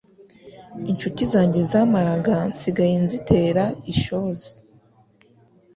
Incuti zanjye z’amagara nsigaye nzitera ishozi